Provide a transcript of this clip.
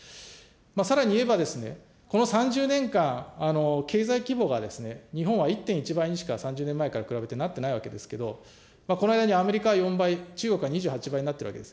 さらに言えば、この３０年間、経済規模が日本は１．１倍にしか３０年前から比べてなってないわけですけれども、この間にアメリカは４倍、中国は２８倍になってるわけです。